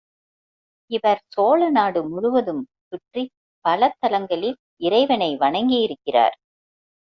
இவர் சோழ நாடு முழுவதும் சுற்றிப் பல தலங்களில் இறைவனை வணங்கியிருக்கிறார்.